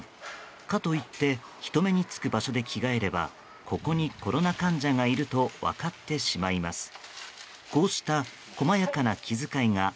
かといって人目のつく場所で着替えればここにコロナ患者がいると分かってしまいます。